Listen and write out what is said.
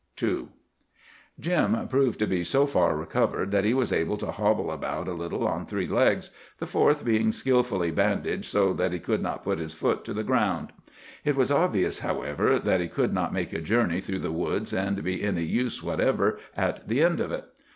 II Jim proved to be so far recovered that he was able to hobble about a little on three legs, the fourth being skilfully bandaged so that he could not put his foot to the ground. It was obvious, however, that he could not make a journey through the woods and be any use whatever at the end of it.